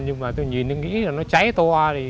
nhưng mà tôi nhìn tôi nghĩ là nó cháy to